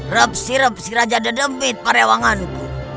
repsi repsi raja dedebit parewanganku